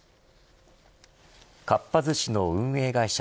かっぱ寿司の運営会社